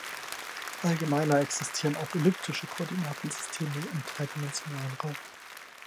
Allgemeiner existieren auch elliptische Koordinatensysteme im dreidimensionalen Raum.